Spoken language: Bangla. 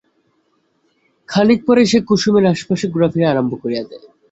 খানিক পরেই সে কুসুমের আশেপাশে ঘোরাফিরা আরম্ভ করিয়া দেয়।